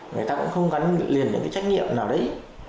người ta cũng không gắn liền những cái trách nhiệm nào đấy